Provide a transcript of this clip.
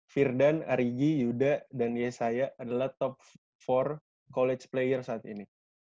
firdan arigi yuda dan yesaya adalah top empat college player saat ini